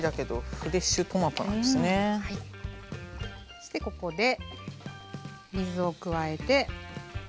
そしてここで水を加えて。